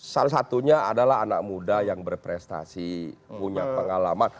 salah satunya adalah anak muda yang berprestasi punya pengalaman